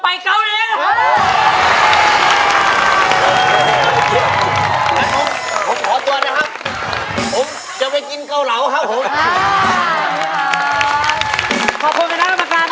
ไปกินให้อร่อยนะคะ